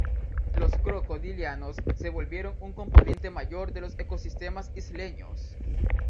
Los crocodilianos se volvieron un componente mayor de los ecosistemas isleños.